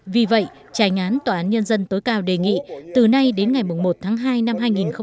vì vậy trái ngán tòa án nhân dân tối cao đề nghị từ nay đến ngày một tháng hai năm hai nghìn hai mươi